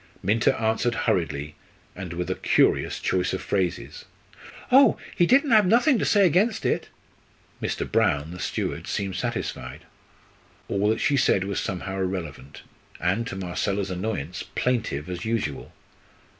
Minta answered hurriedly and with a curious choice of phrases. "Oh! he didn't have nothing to say against it." Mr. Brown, the steward, seemed satisfied. All that she said was somehow irrelevant; and, to Marcella's annoyance, plaintive as usual.